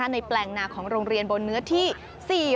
แปลงนาของโรงเรียนบนเนื้อที่๔๐